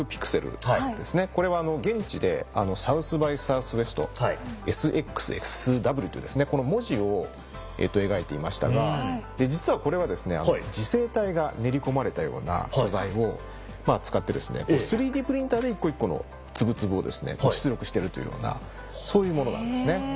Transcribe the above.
これは現地で「サウス・バイ・サウスウエスト」「ＳＸＳＷ」というこの文字を描いていましたが実はこれは磁性体が練り込まれたような素材を使って３Ｄプリンターで一個一個のつぶつぶを出力してるというようなそういうものなんですね。